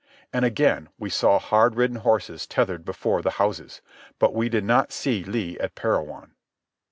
And again we saw hard ridden horses tethered before the houses. But we did not see Lee at Parowan.